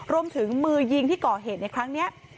รวมถึงมือยิงที่ก่อเหตุในครั้งนี้